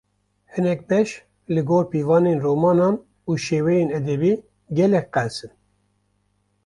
Hinek beş, li gor pîvanên romanan û şêweyên edebî gelek qels in